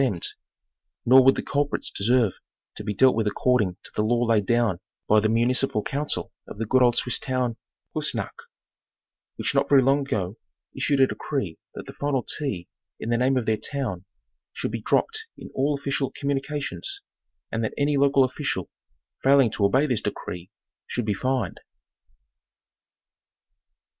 demned ; nor would the culprits deserve to be dealt with accord ing to the law laid down by the municipal council of the good old Swiss town of Kiissnacht, which not very long ago issued a decree that the final ¢ in the name of their town should be dropped in all official communications, and that any local official failing to obey this decree should be fined.